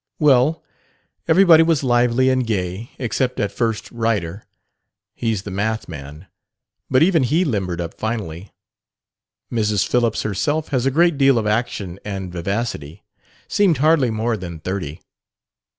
Well, everybody was lively and gay, except at first Ryder (he's the math. man); but even he limbered up finally. Mrs. Phillips herself has a great deal of action and vivacity seemed hardly more than thirty.